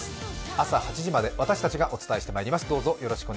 朝８時まで私たちがお伝えしてまいります。